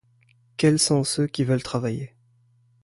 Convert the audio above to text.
Quels sont ceux qui veulent travailler ?